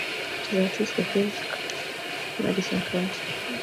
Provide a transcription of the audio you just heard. It is at least the fifth courthouse to serve Madison County.